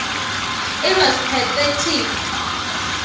It was pathetic.